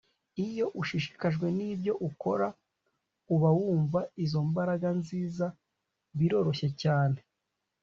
iyo ushishikajwe nibyo ukora, uba wumva izo mbaraga nziza biroroshye cyane